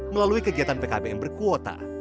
melalui kegiatan pkbm berkuota